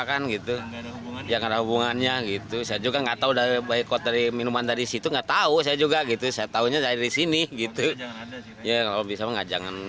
kayaknya kurang setuju ya